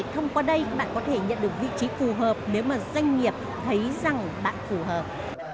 thông qua đây các bạn có thể nhận được vị trí phù hợp nếu mà doanh nghiệp thấy rằng bạn phù hợp